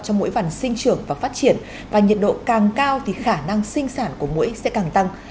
cho mũi vằn sinh trưởng và phát triển và nhiệt độ càng cao thì khả năng sinh sản của mũi sẽ càng tăng